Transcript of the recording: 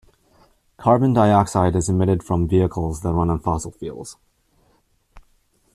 Carbon dioxide is emitted from vehicles that run on fossil fuels.